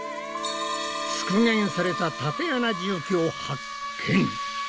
復元された竪穴住居を発見！